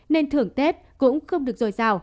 nên thưởng tết cũng không được dồi dào